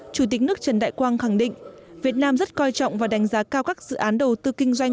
chủ tịch nước trần đại quang khẳng định việt nam rất coi trọng và đánh giá cao các dự án đầu tư kinh doanh